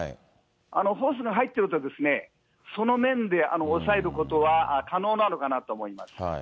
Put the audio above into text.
ホースが入ってると、その面で抑えることは可能なのかなと思います。